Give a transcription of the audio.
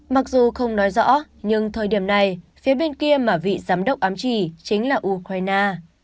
mặc dù không nói rõ nhưng thời điểm này phía bên kia mà vị giám đốc ám trì chính là ukraine